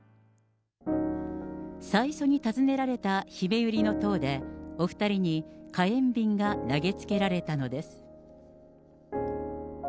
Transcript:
最初に訪ねられたひめゆりの塔で、お２人に火炎瓶が投げつけられたのです。